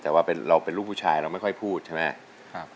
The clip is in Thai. แต่ว่าเราเป็นลูกผู้ชายเราไม่ค่อยพูดใช่ไหม